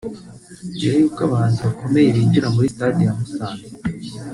Mbere y’uko abahanzi bakomeye binjira muri stade ya Musanze